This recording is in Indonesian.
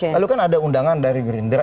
lalu kan ada undangan dari gerindra